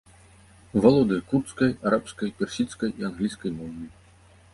Валодае курдскай, арабскай, персідскай і англійскай мовамі.